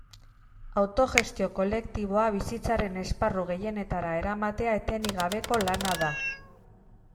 Autogestio kolektiboa bizitzaren esparru gehienetara eramatea etenik gabeko lana da.